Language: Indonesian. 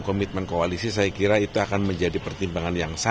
kira berapa kos pak yang bisa diisi